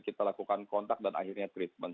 kita lakukan kontak dan akhirnya treatment